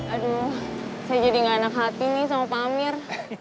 aduh saya jadi gak enak hati nih sama pamir